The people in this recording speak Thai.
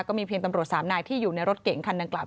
เพียงตำรวจสามนายที่อยู่ในรถเก๋งคันดังกล่า